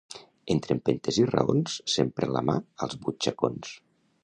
Entre empentes i raons, sempre la mà als butxacons.